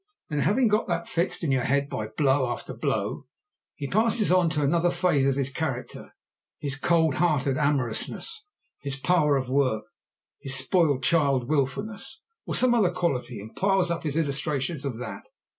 Then, having got that fixed in your head by blow after blow, he passes on to another phase of his character, his coldhearted amorousness, his power of work, his spoiled child wilfulness, or some other quality, and piles up his illustrations of that.